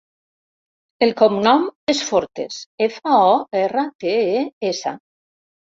El cognom és Fortes: efa, o, erra, te, e, essa.